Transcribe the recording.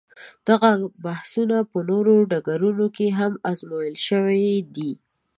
دغه بحثونه په نورو ډګرونو کې هم ازمویل شوي دي.